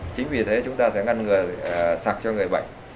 chính vì thế chúng ta sẽ ngăn ngừa sặc cho người bệnh